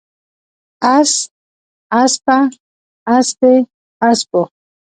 اس، اسپه، اسپې، اسپو